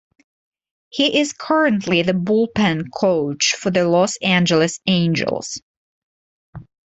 He is currently the bullpen coach for the Los Angeles Angels.